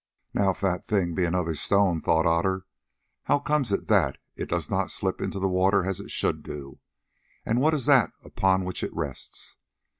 "Now, if that thing be another stone," thought Otter again, "how comes it that it does not slip into the water as it should do, and what is that upon which it rests?"